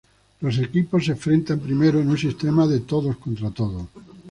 Los equipos se enfrentaron primero en un sistema de todos contra todos.